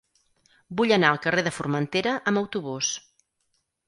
Vull anar al carrer de Formentera amb autobús.